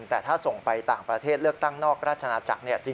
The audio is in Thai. แต่ถ้าส่งไปต่างประเทศเลือกตั้งนอกราชนาจักร